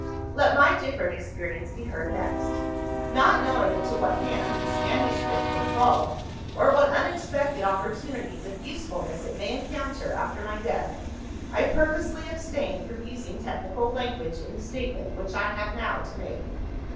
"Let my different experience be heard next. Not knowing into what hands this manuscript may fall, or what unexpected opportunities of usefulness it may encounter after my death, I purposely abstain from using technical language in the statement which I have now to make.